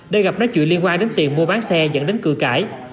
để gặp nói chuyện liên quan đến tiền mua bán xe dẫn đến cửa cãi